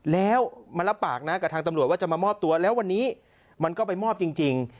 แล้วมารับปากนะกับทางตำรวจว่าจะมามอบตัวแล้ววันนี้มันก็ไปมอบจริง